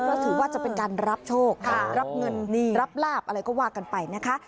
เพราะถือว่าจะเป็นการรับโชครับเงินรับลาบอะไรก็ว่ากันไปนะคะ